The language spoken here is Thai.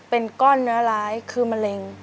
เป็นก้อนเนื้อร้ายคือมะเร็ง